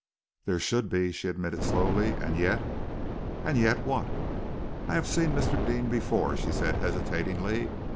"There should be," she admitted slowly. "And yet " "And yet what?" "I have seen Mr. Deane before," she said hesitatingly.